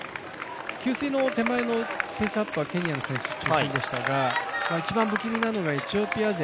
給水の手前のペースアップはケニアの選手が中心でしたが、一番不気味なのがエチオピア勢。